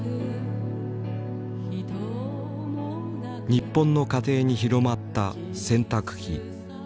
日本の家庭に広まった洗濯機。